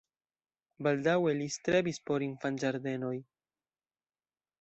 Baldaŭe li strebis por infanĝardenoj.